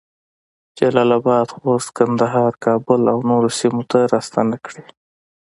جلال اباد، خوست، کندهار، کابل اونورو سیمو ته راستنه کړې